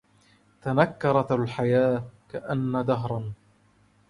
تنكرت الحياة كأن دهرا